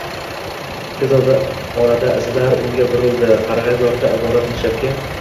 Tez orada izlar o`ngga burildi, qarag`ayzordan iborat nishabga